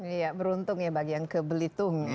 iya beruntung ya bagi yang ke belitung ya